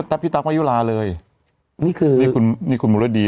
ถ้าพี่ตั๊กมายุลาเลยนี่คือนี่คุณนี่คุณมุรดี